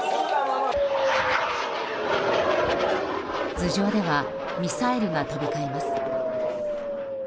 頭上ではミサイルが飛び交います。